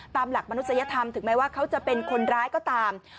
ตามหลักมนุษยธรรมถึงแม้ว่าเขาจะเป็นคนร้ายก็ตาม